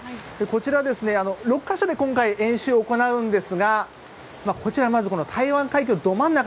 こちら、６か所で今回演習を行うんですがこちらまず台湾海峡のど真ん中。